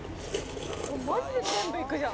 「マジで全部いくじゃん」